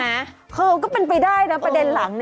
แล้วก็เป็นไปได้แต่เป็นเงินหลัง